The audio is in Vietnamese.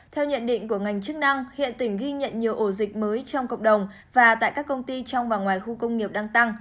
theo nhận định của ngành chức năng hiện tỉnh ghi nhận nhiều ổ dịch mới trong cộng đồng và tại các công ty trong và ngoài khu công nghiệp đang tăng